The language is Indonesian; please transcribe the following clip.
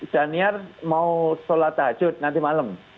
daniar mau sholat tahajud nanti malam